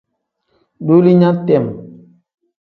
Duulinya tem.